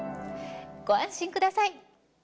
ご安心ください。